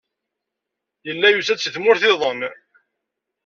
Yella yusa-d seg tmurt-iḍen.